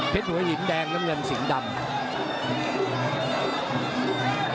หัวหินแดงน้ำเงินสิงห์ดำ